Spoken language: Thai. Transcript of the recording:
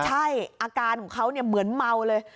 ใช่อาการของเขาเหมือนเมาเลย